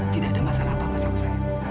tidak ada masalah apa apa sama saya